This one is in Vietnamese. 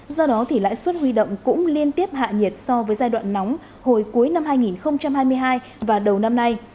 do đó lãi suất huy động cũng liên tiếp hạ nhiệt so với giai đoạn nóng hồi cuối năm hai nghìn hai mươi hai và đầu năm nay